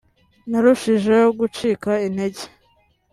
narushijeho gucika intege